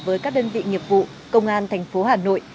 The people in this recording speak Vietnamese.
với các đơn vị nghiệp vụ công an thành phố hà nội